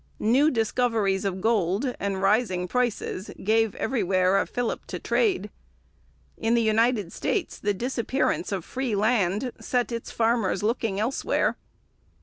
New discoveries of gold and rising prices gave everywhere a fillip to trade. In the United States the disappearance of free land set its farmers looking elsewhere.